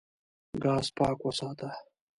ګاز پاک وساته.